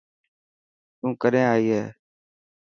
تون ڪڏهن ائي هي.